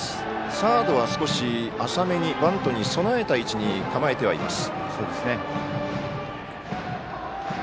サードは少し浅めにバントに備えた位置に構えてはいます。